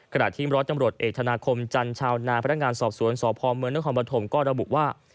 ขณะที่ร้อยจำรวจเอกธนาคมจันชาวนาพนักงานสอบสวนสพเมืองนครปฐมก็ระบุว่า